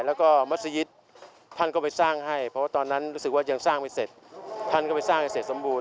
แล้วก็มัศยิตท่านก็ไปสร้างให้เพราะว่าตอนนั้นรู้สึกว่ายังสร้างไม่เสร็จท่านก็ไปสร้างให้เสร็จสมบูรณ